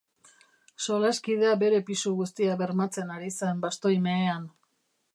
Solaskidea bere pisu guztia bermatzen ari zen bastoi mehean.